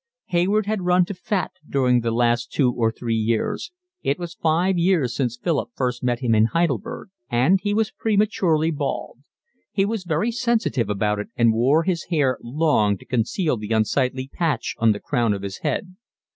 Hayward had run to fat during the last two or three years—it was five years since Philip first met him in Heidelberg—and he was prematurely bald. He was very sensitive about it and wore his hair long to conceal the unsightly patch on the crown of his head.